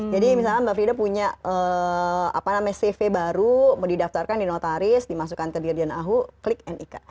jadi misalnya mbak frida punya cv baru mau didaftarkan di notaris dimasukkan ke dirjen ahu klik nik